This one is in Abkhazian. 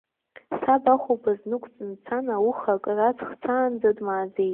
Саб ахәылԥаз днықәҵны дцан, ауха акыр аҵх цаанӡа дмааӡеит.